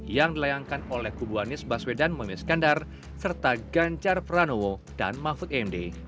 yang dilayangkan oleh kubu anies baswedan mohamiskandar serta ganjar pranowo dan mahfud md